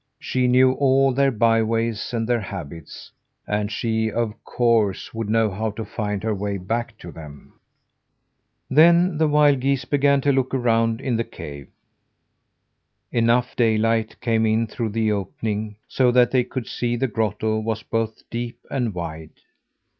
She knew all their byways and their habits, and she, of course, would know how to find her way back to them. Then the wild geese began to look around in the cave. Enough daylight came in through the opening, so that they could see the grotto was both deep and wide.